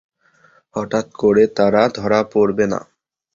হঠাৎ করে তারা ধরা পড়বে না।